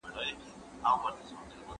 اسلام د کفارو د قهرمانۍ ناروا نښي منع کړې.